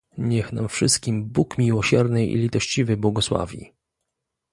Niech nam wszystkim Bóg Miłosierny i Litościwy błogosławi